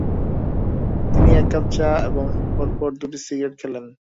তিনি এক কাপ চা এবং পরপর দুটি সিগারেট খেলেন।